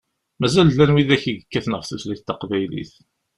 Mazal llan widak i yekkaten ɣef tutlayt taqbaylit.